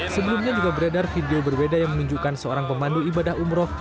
sebelumnya juga beredar video berbeda yang menunjukkan seorang pemandu ibadah umroh